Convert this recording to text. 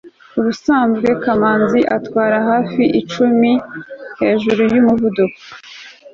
ubusanzwe kamanzi atwara hafi icumi kph hejuru yumuvuduko